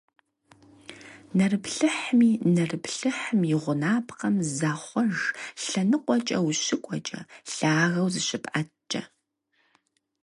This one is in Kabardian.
Нэрыплъыхьми, нэрыплъыхьым и гъунапкъэми захъуэж лъэныкъуэкӀэ ущыкӀуэкӀэ, лъагэу зыщыпӀэткӀэ.